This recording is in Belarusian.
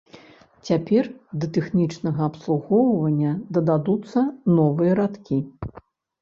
Цяпер да тэхнічнага абслугоўвання дададуцца новыя радкі.